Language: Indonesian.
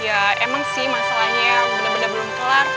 ya emang sih masalahnya yang bener bener belum kelar